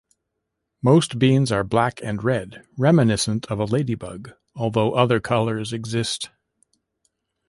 Most beans are black and red, reminiscent of a ladybug, though other colors exist.